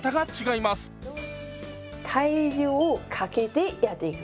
体重をかけてやっていく。